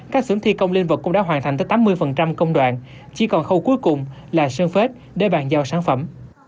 các xưởng thi công linh vật cũng đã hoàn thành tới tám mươi công đoạn chỉ còn khâu cuối cùng là sơn phết để bàn giao sản phẩm